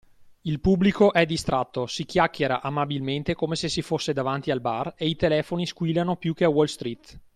Il pubblico è distratto, si chiacchiera amabilmente come se si fosse davanti al bar e i telefoni squillano più che a wall street.